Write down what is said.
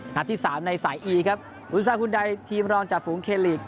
ที่สามในสายอีครับอุตสาหุ่นใดทีมรองจากฝูงเคลีก